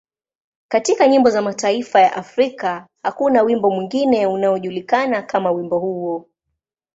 Katika nyimbo za mataifa ya Afrika, hakuna wimbo mwingine unaojulikana kama wimbo huo.